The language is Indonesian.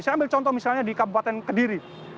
saya ambil contoh misalnya di kabupaten kediri